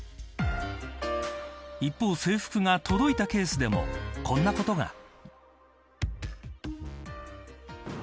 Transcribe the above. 一方、制服が届いたケースでもこんなことが。